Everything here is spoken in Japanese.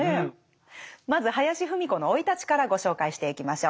まず林芙美子の生い立ちからご紹介していきましょう。